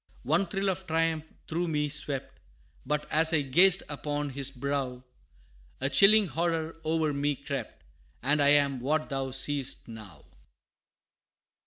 One thrill of triumph through me swept, But, as I gazed upon his brow, A chilling horror o'er me crept, And I am what thou seest now!